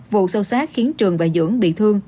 vụ sâu sát khiến trường và dưỡng bị thương